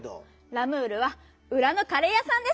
「ラムール」はうらのカレーやさんです！